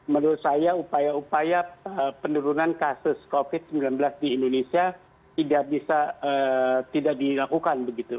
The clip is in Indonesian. menurut saya upaya upaya penurunan kasus covid sembilan belas di indonesia tidak dilakukan